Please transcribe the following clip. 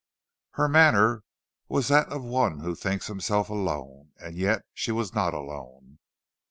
Her manner was that of one who thinks himself alone, and yet she was not alone.